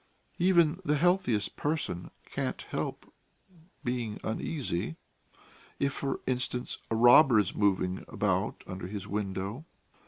Even the healthiest person can't help being uneasy if, for instance, a robber is moving about under his window.